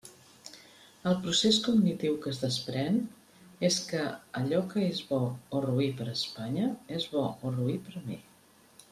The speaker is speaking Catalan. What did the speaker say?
El procés cognitiu que es desprén és que allò que és bo o roí per a Espanya és bo o roí per a mi.